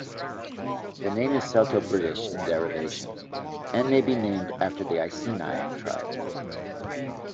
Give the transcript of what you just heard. The name is Celto-British in derivation, and may be named after the Iceni tribe.